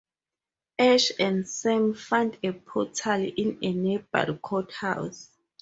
Ash and Sam find a portal in a nearby courthouse.